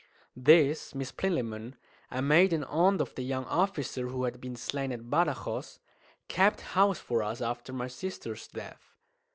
This Miss Plinlimmon, a maiden aunt of the young officer who had been slain at Badajoz, kept house for us after my sister's death.